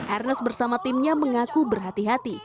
ernest bersama timnya mengaku berhati hati